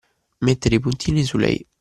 Mettere i puntini sulle i.